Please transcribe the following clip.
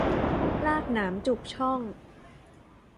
ลากหนามจุกช่อง